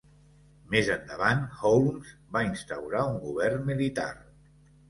Més endavant, Holmes va instaurar un govern militar.